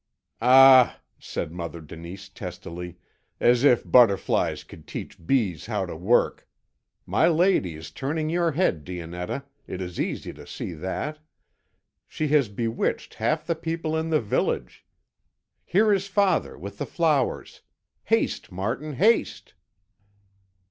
"Ah," said Mother Denise testily, "as if butterflies could teach bees how to work! My lady is turning your head, Dionetta, it is easy to see that; she has bewitched half the people in the village. Here is father, with the flowers. Haste, Martin, haste!"